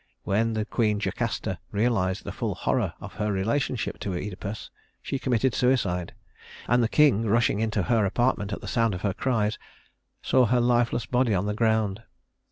When the queen Jocasta realized the full horror of her relationship to Œdipus, she committed suicide; and the king, rushing into her apartment at the sound of her cries, saw her lifeless body on the ground.